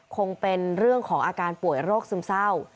คงเป็นเรื่องของอาการป่วยโรคซึมเศร้า